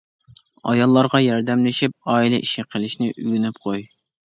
ئاياللارغا ياردەملىشىپ ئائىلە ئىشى قىلىشنى ئۆگىنىپ قوي.